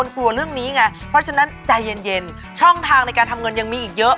พอเดี๋ยวจะรอลูกต่างไง